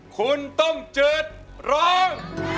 คุณต้มจืดร้อง